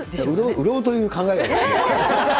売ろうという考えがですね。